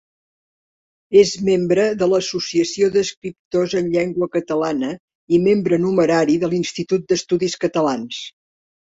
És membre de l'Associació d'Escriptors en Llengua Catalana i membre numerari de l'Institut d'Estudis Catalans.